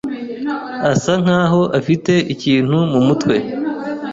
Asa nkaho afite ikintu mumutwe.